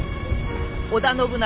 織田信長